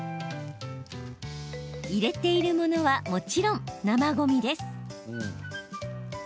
入れているものはもちろん生ごみです。